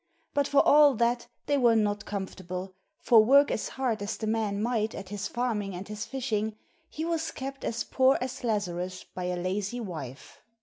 But for all that they were not comfortable, for work as hard as the man might at his farming and his fishing, he was kept as poor as Lazarus by a lazy wife.